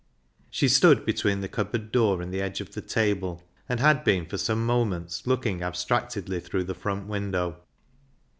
She stood between the cupboard door and the edge of the table, and had been for some moments looking abstractedly through the front window.